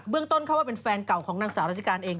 เรื่องต้นเข้าว่าเป็นแฟนเก่าของนางสาวราชการเอง